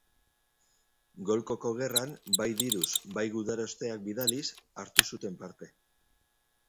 Golkoko Gerran, bai diruz, bai gudarosteak bidaliz, hartu zuten parte.